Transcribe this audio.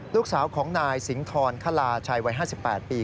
ลูกสาวของนายสิงธรคลาชัยวัย๕๘ปี